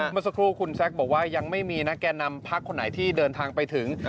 เมื่อสักครู่คุณแซคบอกว่ายังไม่มีนะแก่นำพักคนไหนที่เดินทางไปถึง